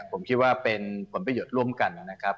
ผมคิดว่าเป็นผลประโยชน์ร่วมกันนะครับ